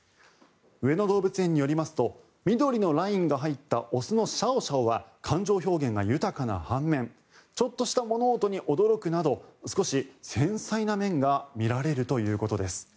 上野動物園によりますと緑のラインが入った雄のシャオシャオは感情表現が豊かな半面ちょっとした物音に驚くなど少し繊細な面が見られるということです。